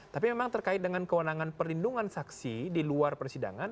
tapi memang terkait dengan kewenangan perlindungan saksi di luar persidangan